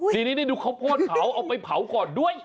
ทีนี้ได้ดูข้าวโพดเผาเอาไปเผาก่อนด้วย